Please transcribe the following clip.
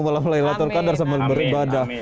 malam laylatul qadar sama beribadah